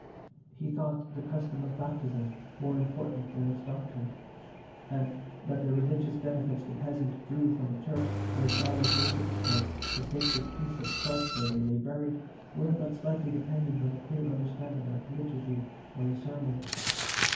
He thought the custom of baptism more important than its doctrine, and that the religious benefits the peasant drew from the church where his fathers worshipped and the sacred piece of turf where they lay buried were but slightly dependent on a clear understanding of the Liturgy or the sermon.